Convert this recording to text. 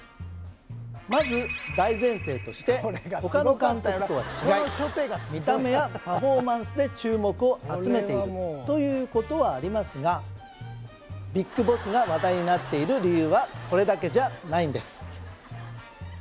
まず大前提として他の監督とは違い見た目やパフォーマンスで注目を集めているということはありますがＢＩＧＢＯＳＳが話題になっている理由はこれだけじゃないんです